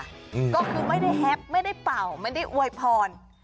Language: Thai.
ก็คือไม่ได้แฮปไม่ได้เป่าไม่ได้อวยพร